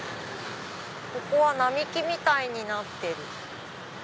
ここは並木みたいになってる。